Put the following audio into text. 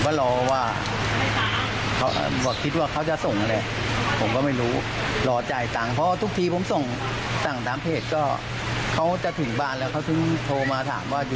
พอวันหวยออกเนี่ยผมก็เลยนั่นไปถามเขาว่าได้ส่งลัตเตอรี่มาให้ไหม